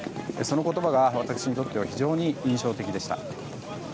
その言葉が私にとっては非常に印象的でした。